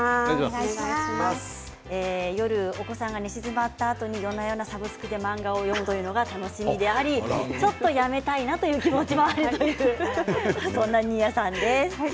夜、お子さんが寝静まったあとに夜な夜なサブスクで漫画を読むというのが楽しみでありちょっとやめたいなという気持ちもあるというそんな新谷さんです。